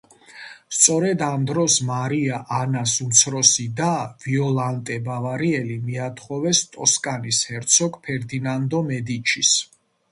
სწორედ ამ დროს, მარია ანას უმცროსი და, ვიოლანტე ბავარიელი მიათხოვეს ტოსკანის ჰერცოგ ფერდინანდო მედიჩის.